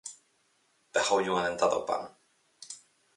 Pegoulle unha dentada ao pan.